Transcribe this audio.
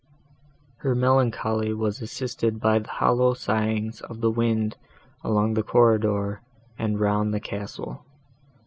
Her melancholy was assisted by the hollow sighings of the wind along the corridor and round the castle.